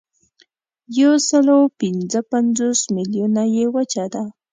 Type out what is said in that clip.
یوسلاوپینځهپنځوس میلیونه یې وچه ده.